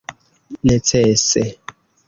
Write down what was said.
necese